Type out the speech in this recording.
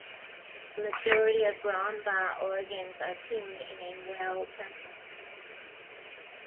The majority of Brombaugh organs are tuned in a Well temperament.